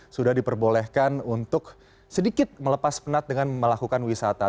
sudah diperbolehkan untuk sedikit melepas penat dengan melakukan wisata